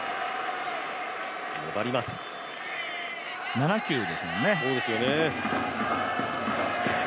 ７球ですもんね。